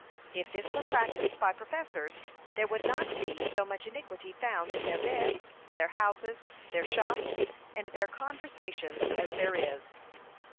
If this were practised by professors, there would not be so much iniquity found in their beds, their houses, their shops, and their conversations, as there is.